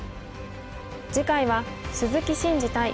次回は鈴木伸二対洪爽